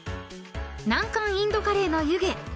［難関インドカレーの湯気］